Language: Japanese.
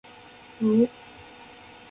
うお